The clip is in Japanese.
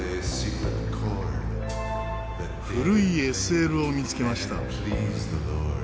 古いＳＬを見つけました。